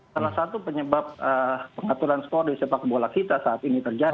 salah satu penyebab pengaturan skor di sepak bola kita saat ini terjadi